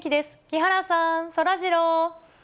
木原さん、そらジロー。